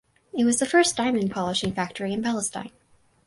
It was the first diamond polishing factory in Palestine.